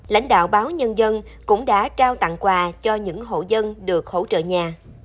lãnh đạo báo nhân dân cũng đã trao tặng quà cho những hộ dân được hỗ trợ nhà